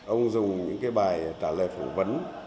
ông dùng những bài trả lời phỏng vấn